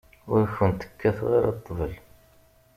Ur kent-kkateɣ ara ṭṭbel.